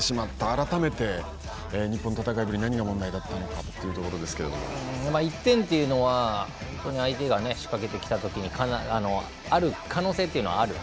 改めて日本の戦いぶり何が問題だったのかというところ１点というのは相手が仕掛けてきたときに可能性というのはある。